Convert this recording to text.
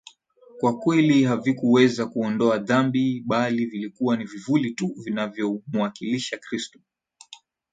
kwa kweli havikuweza kuondoa dhambi bali vilikuwa ni vivuli tu vinavyomwakilisha Kristo